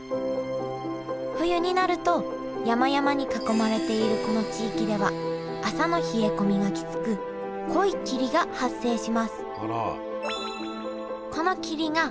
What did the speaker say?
冬になると山々に囲まれているこの地域では朝の冷え込みがきつく濃い霧が発生します